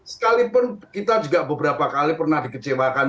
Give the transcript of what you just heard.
sekalipun kita juga beberapa kali pernah dikecewakan